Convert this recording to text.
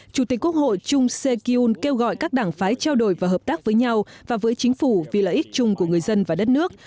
chủ tịch quốc hội chung sekyun kêu gọi các đảng phái trao đổi và hợp tác với nhau và với chính phủ vì lợi ích chung của người dân và đất nước